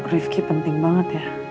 rifqi penting banget ya